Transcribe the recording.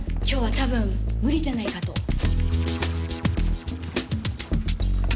今日はたぶん無理じゃないかと。